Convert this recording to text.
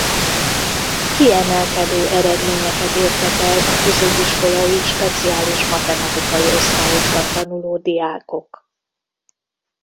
Kiemelkedő eredményeket értek el a középiskolai speciális matematikai osztályokban tanuló diákok.